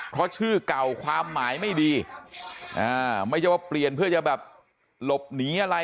เพราะชื่อเก่าความหมายไม่ดีไม่ใช่ว่าเปลี่ยนเพื่อจะแบบหลบหนีอะไร